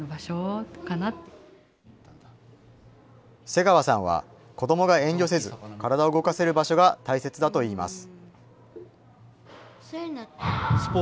瀬川さんは子どもが遠慮せず、体を動かせる場所が大切だといいます。